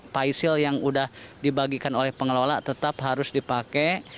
pisal yang sudah dibagikan oleh pengelola tetap harus dipakai